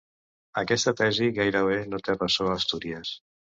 Aquesta tesi gairebé no té ressò a Astúries.